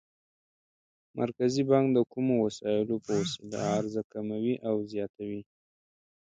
مرکزي بانک د کومو وسایلو په وسیله عرضه کموي او زیاتوي؟